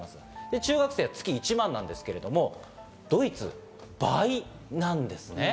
中学生は月１万円ですけど、ドイツは倍なんですね。